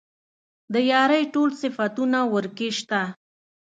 د يارۍ ټول صفتونه ورکې شته.